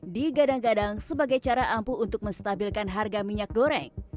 digadang gadang sebagai cara ampuh untuk menstabilkan harga minyak goreng